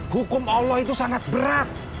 hukum allah itu sangat berat